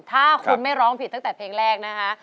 ถ้าคุณไม่ร้องผิดตั้งแต่เพลงแรกนะคะ